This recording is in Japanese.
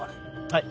はい！